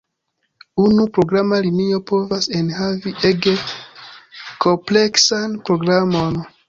Unu programa linio povas enhavi ege kompleksan programon.